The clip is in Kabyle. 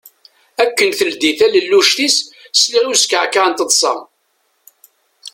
Akken teldi talelluct-is, sliɣ i uskeεkeε n teṭsa.